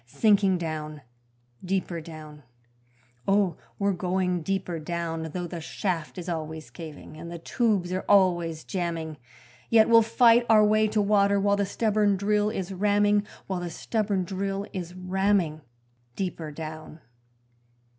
Sinking down, deeper down, Oh, we're going deeper down Though the shaft is always caving, and the tubes are always jamming, Yet we'll fight our way to water while the stubborn drill is ramming While the stubborn drill is ramming deeper down.